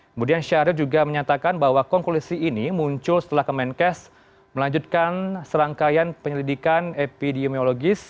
kemudian syaril juga menyatakan bahwa konklusi ini muncul setelah ke menkes melanjutkan serangkaian penyelidikan epidemiologis